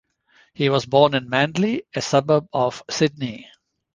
He was born in Manly, a suburb of Sydney.